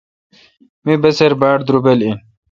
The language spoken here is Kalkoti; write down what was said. می بسِر باڑدربل این۔